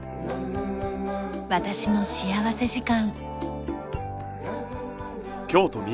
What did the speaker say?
『私の幸福時間』。